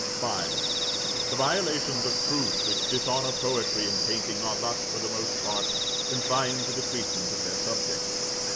V. The violations of truth, which dishonor poetry and painting, are thus for the most part confined to the treatment of their subjects.